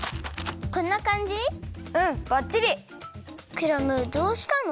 クラムどうしたの？